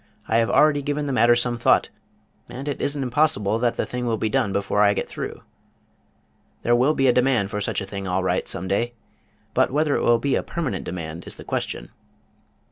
"I have already given the matter some thought, and it isn't impossible that the thing will be done before I get through. There will be a demand for such a thing all right some day, but whether it will be a permanent demand is the question."